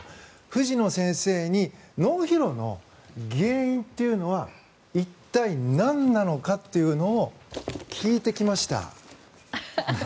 藤野先生に脳疲労の原因というのは一体、なんなのかっていうのを聞いてきました。